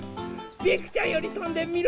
ピンクちゃんよりとんでみる？